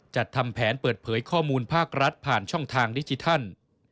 จัดทำแผนเปิดเผยข้อมูลภาครัฐผ่านช่องทางดิจิทัล